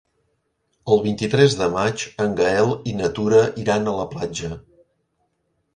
El vint-i-tres de maig en Gaël i na Tura iran a la platja.